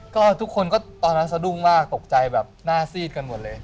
ก็ทุกคนก็ตอนนั้นสะดุ้งมากตกใจแบบหน้าซีดกันหมดเลย